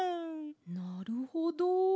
なるほど。